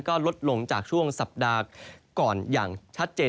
ก็ลดลงจากช่วงสัปดาห์ก่อนอย่างชัดเจน